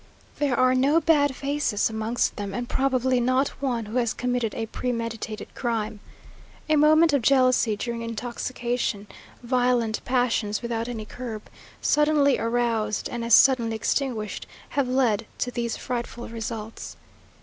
There are no bad faces amongst them; and probably not one who has committed a premeditated crime. A moment of jealousy during intoxication, violent passions without any curb, suddenly aroused and as suddenly extinguished, have led to these frightful results.